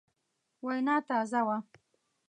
وینه تازه وه.